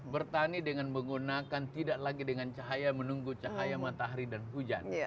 bertani dengan menggunakan tidak lagi dengan cahaya menunggu cahaya matahari dan hujan